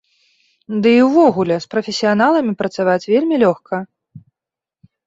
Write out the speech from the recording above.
Ды і ўвогуле, з прафесіяналамі працаваць вельмі лёгка.